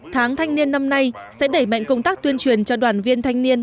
tháng thanh niên năm nay sẽ đẩy mạnh công tác tuyên truyền cho đoàn viên thanh niên